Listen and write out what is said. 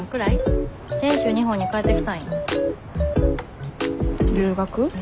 先週日本に帰ってきたんよ。留学？